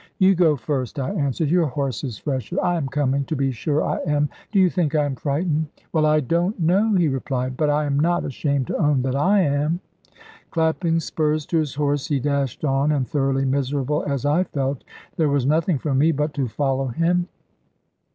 "You go first," I answered; "your horse is fresher; I am coming to be sure I am do you think I am frightened?" "Well, I don't know," he replied; "but I am not ashamed to own that I am." Clapping spurs to his horse, he dashed on; and thoroughly miserable as I felt, there was nothing for me but to follow him.